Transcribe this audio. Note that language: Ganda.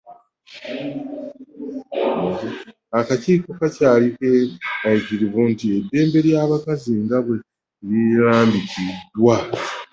Akakiiko kakyali keeraliikirivu nti eddembe ly’abakazi nga bwe lirambikiddwa.